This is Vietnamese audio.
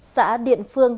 xã điện phương